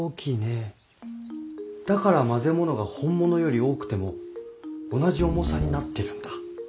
だから混ぜ物が本物より多くても同じ重さになってるんだ。